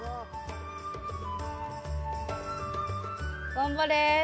頑張れ。